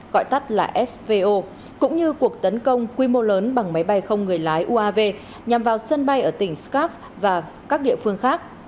gọi tắt là svo cũng như cuộc tấn công quy mô lớn bằng máy bay không người lái uav nhằm vào sân bay ở tỉnh skop và các địa phương khác